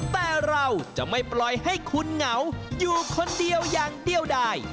แต่เราจะไม่ปล่อยให้คุณเหงาอยู่คนเดียวอย่างเดียวได้